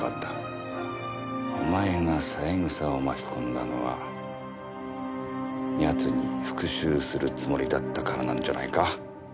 お前が三枝を巻き込んだのは奴に復讐するつもりだったからなんじゃないか？